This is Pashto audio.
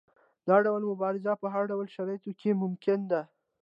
دا ډول مبارزه په هر ډول شرایطو کې ممکنه ده.